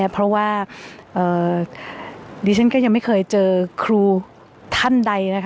เพราะว่าดิฉันก็ยังไม่เคยเจอครูท่านใด